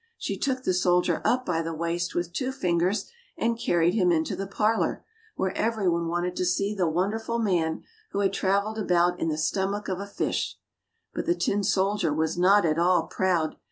She took the soldier up by the waist, with two fingers, and carried him into the parlour, where everyone wanted to see the wonder ful man, who had travelled about in the stomach of a fish; but the tin soldier was not at all proud.